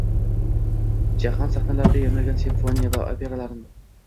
Jahon sahnalarida yangragan simfoniya va operalarning